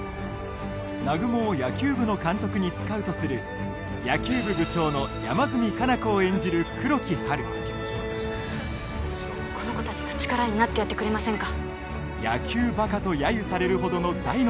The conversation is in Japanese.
南雲を野球部の監督にスカウトする野球部部長の山住香南子を演じる黒木華この子たちの力になってやってくれませんか？